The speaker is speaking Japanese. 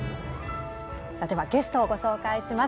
では、ゲストをご紹介します。